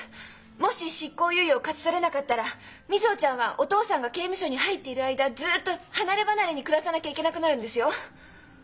もし執行猶予を勝ち取れなかったら瑞穂ちゃんはお父さんが刑務所に入っている間ずっと離れ離れに暮らさなきゃいけなくなるんですよ！？